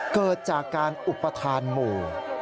เกิดจากการอุปทานหมู่